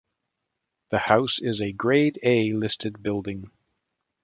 The house is a Grade A listed building.